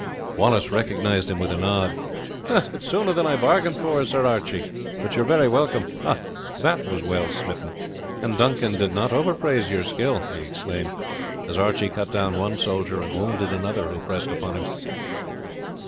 Wallace recognized him with a nod. "It is sooner than I bargained for, Sir Archie; but you are very welcome. Ah! that was well smitten, and Duncan did not overpraise your skill," he exclaimed, as Archie cut down one soldier, and wounded another who pressed upon him.